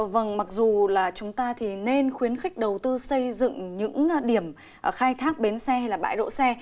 vâng mặc dù là chúng ta thì nên khuyến khích đầu tư xây dựng những điểm khai thác bến xe hay là bãi đỗ xe